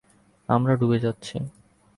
আমরা ডুবে যাচ্ছি।